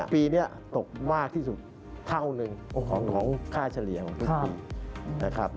ปีนี้ตกมากที่สุดเท่านึงของค่าเฉลี่ยของพุทธภีร์